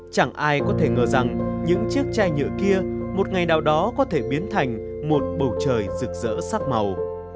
chẳng ai có thể ngờ rằng những chiếc chai nhựa kia một ngày nào đó có thể biến thành một bầu trời rực rỡ sắc màu